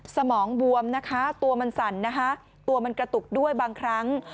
สมองบวมนะคะตัวมันสั่นนะคะตัวมันกระตุกด้วยบางครั้ง